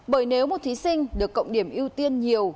bởi nếu một thí sinh được cộng điểm ưu tiên nhiều